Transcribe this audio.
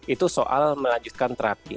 itu soal melanjutkan terapi